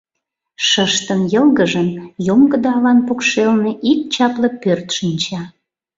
Шыштын йылгыжын, йоҥгыдо алан покшелне ик чапле пӧрт шинча.